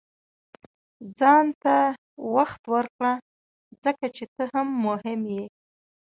• ځان ته وخت ورکړه، ځکه چې ته هم مهم یې.